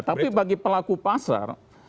tapi bagi pelaku pasar